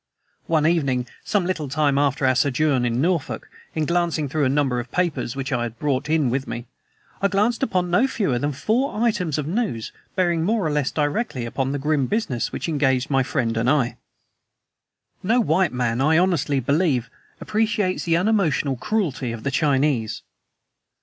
One evening, some little time after our sojourn in Norfolk, in glancing through a number of papers which I had brought in with me, I chanced upon no fewer than four items of news bearing more or less directly upon the grim business which engaged my friend and I. No white man, I honestly believe, appreciates the unemotional cruelty of the Chinese.